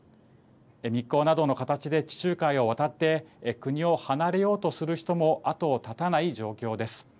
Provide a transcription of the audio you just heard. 密航などの形で地中海を渡って国を離れようとする人も後を絶たない状況です。